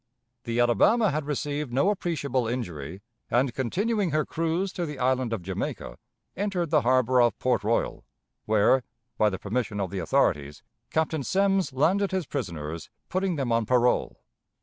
The Alabama had received no appreciable injury, and, continuing her cruise to the Island of Jamaica, entered the harbor of Port Royal, where, by the permission of the authorities. Captain Semmes landed his prisoners, putting them on parole.